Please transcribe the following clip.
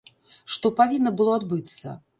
Што павінна было адбыцца?